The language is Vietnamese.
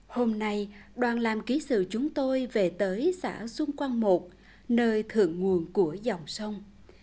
hôm nay đoàn làm ký sự chúng tôi về tới xã xuân quang một nơi thượng nguồn của dòng sông